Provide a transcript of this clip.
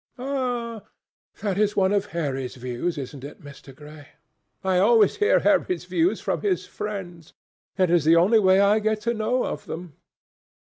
"Ah! that is one of Harry's views, isn't it, Mr. Gray? I always hear Harry's views from his friends. It is the only way I get to know of them.